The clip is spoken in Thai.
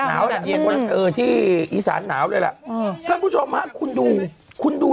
หนาวอืมเออที่อีสานหนาวด้วยแหละเออท่านผู้ชมฮะคุณดูคุณดู